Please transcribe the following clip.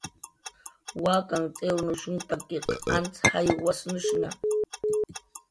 Wakanh t'iwrnushunhtakiq antz jayw wasnushnha